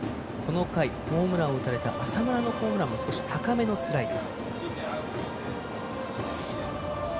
この回ホームランを打たれた浅村のホームランも高めのスライダー。